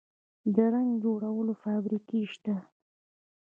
د رنګ جوړولو فابریکې شته